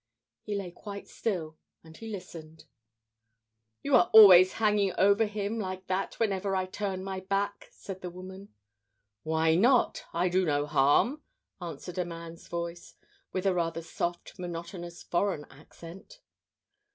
He lay quite still. And he listened. "You are always hanging over him like that whenever I turn my back!" said the woman. "Why not? I do no harm," answered a man's voice, with a rather soft, monotonous foreign accent.